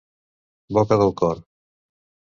Boca del cor.